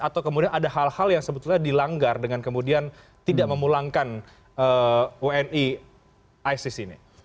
atau kemudian ada hal hal yang sebetulnya dilanggar dengan kemudian tidak memulangkan wni isis ini